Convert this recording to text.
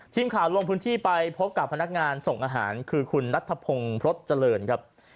ทีมข่าวลงพื้นที่ไปพบกับพนักงานส่งอาหารคือคุณนัทธพงศ์พฤษเจริญครับ